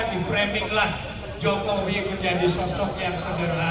bicara bicara ini bagus kamu bicara